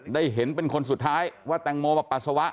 ได้เห็นเป็นคนสุดท้ายว่าแตงโมมาปัสสาวะ